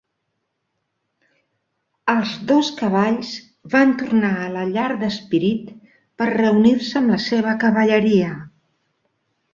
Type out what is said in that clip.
Els dos cavalls van tornar a la llar de Spirit per reunir-se amb la seva cavalleria.